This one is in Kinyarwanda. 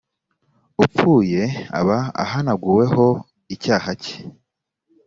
upfuye aba ahanaguweho icyaha cye